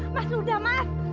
mas udah mas